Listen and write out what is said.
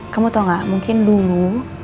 kamu tau gak mungkin dulu